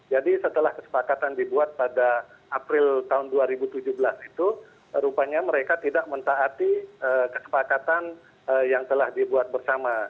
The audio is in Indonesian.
jadi setelah kesepakatan dibuat pada april tahun dua ribu tujuh belas itu rupanya mereka tidak mentaati kesepakatan yang telah dibuat bersama